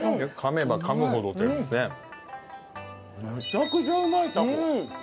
めちゃくちゃうまいタコ。